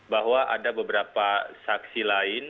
bahwa ada beberapa saksi lain